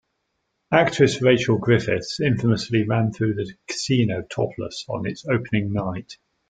Actress Rachel Griffiths infamously ran through the casino topless on its opening night.